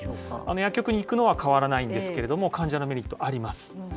薬局に行くのは変わらないんですけれども、患者のメリット、あります。